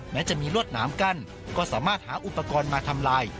แม้จะมีลวดหนามกั้นก็สามารถหาอุปกรณ์มาทำลาย